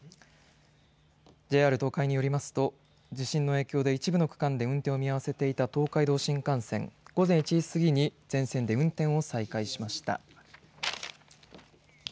ＪＲ東海によりますと地震の影響で一部の区間で運転を見合わせていた東海道新幹線、午前１時過ぎに全線で運転を再開しました。